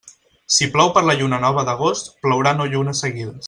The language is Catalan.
Si plou per la lluna nova d'agost, plourà nou llunes seguides.